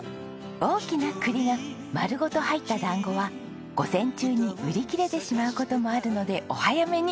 大きな栗が丸ごと入った団子は午前中に売り切れてしまう事もあるのでお早めに。